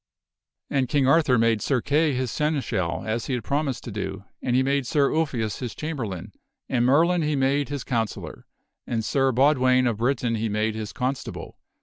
And King Arthur made Sir Kay his Seneschal as he had promised to do; and he made Sir Ulfius his Chamberlain; and Merlin he made his Counsellor; and Sir Bod wain of Britain he made his Constable.